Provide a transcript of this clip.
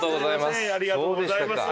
ありがとうございます。